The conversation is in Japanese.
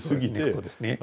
そうですね